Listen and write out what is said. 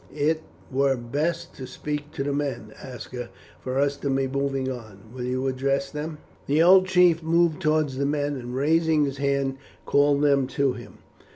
It were best to speak to the men, Aska, for us to be moving on; will you address them?" The old chief moved towards the men, and raising his hand, called them to him.